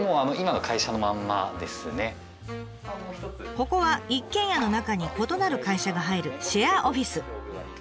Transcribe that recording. ここは一軒家の中に異なる会社が入るシェアオフィス。